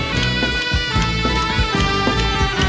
กลับไปที่นี่